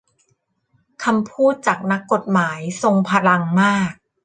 คำพูดจากนักกฎหมายทรงพลังมาก